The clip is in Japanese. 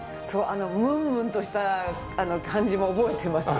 あのムンムンとした感じも覚えてます。